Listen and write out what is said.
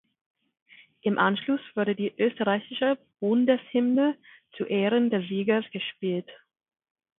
Im Anschluss wurde die Österreichische Bundeshymne zu Ehren des Siegers gespielt.